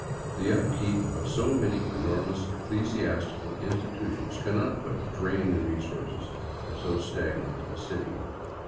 The up keep of so many enormous ecclesiastical institutions annot but drain the resources of so stagnant a city.